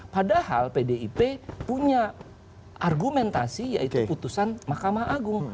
padahal pdip punya argumentasi yaitu putusan mahkamah agung